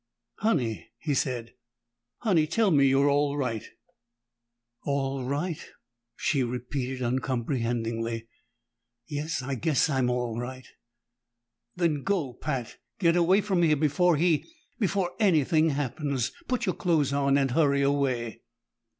"Honey!" he said. "Honey! Tell me you're all right!" "All right?" she repeated uncomprehendingly. "Yes. I guess I'm all right." "Then go, Pat! Get away from here before he before anything happens! Put your clothes on and hurry away!"